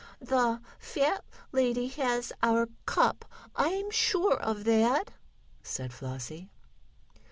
"The fat lady has our cup I'm sure of that," said Flossie.